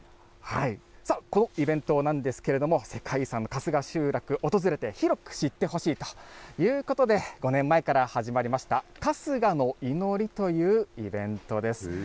このイベントなんですけれども、世界遺産の春日集落、訪れて広く知ってほしいということで、５年前から始まりました、春日の祈りというイベントです。